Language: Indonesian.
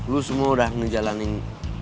lo semua udah ngejalanin